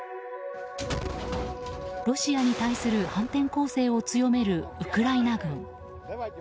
ロシアに対する反転攻勢を強めるウクライナ軍。